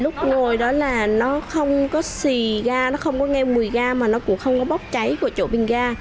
lúc ngồi đó là nó không có xì ga nó không có nghe mùi ga mà nó cũng không có bốc cháy của chỗ bình ga